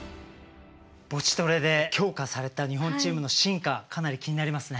ボチトレで強化された日本チームの進化かなり気になりますね。